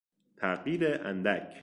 تغییر اندک